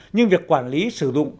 nhưng việc quản lý sử dụng